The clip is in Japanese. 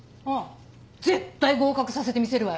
絶対合格させてみせるわよ。